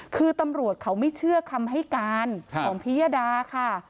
คือตำรวจเขาไม่เชื่อคำให้การของพิยดาค่ะ